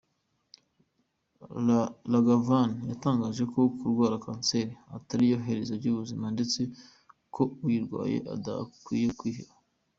Ragavan yatangaje ko kurwara kanseri atariryo herezo ry’ubuzima ndetse ko uyirwaye adakwiriye kwiheba.